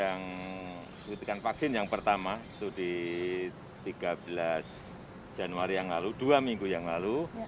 yang suntikan vaksin yang pertama itu di tiga belas januari yang lalu dua minggu yang lalu